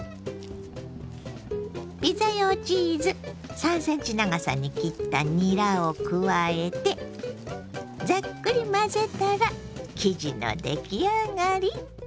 ピザ用チーズ３ｃｍ長さに切ったにらを加えてざっくり混ぜたら生地の出来上がり。